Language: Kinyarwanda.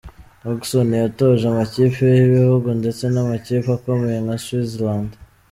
Hodgson yatoje amakipe y’ibihugu ndetse n’amakipe akomeye nka Switzerland.